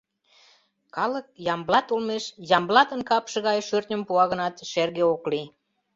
Калык Ямблат олмеш Ямблатын капше гае шӧртньым пуа гынат, шерге ок лий...